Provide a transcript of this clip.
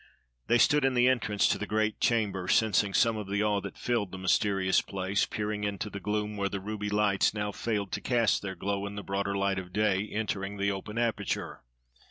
They stood in the entrance to the great chamber, sensing some of the awe that filled the mysterious place, peering into the gloom where the ruby lights now failed to cast their glow in the broader light of day entering the open aperture.